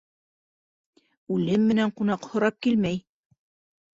Үлем менән ҡунаҡ һорап килмәй.